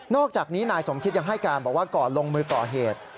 อกจากนี้นายสมคิดยังให้การบอกว่าก่อนลงมือก่อเหตุ